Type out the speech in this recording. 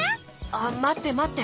あっまってまって！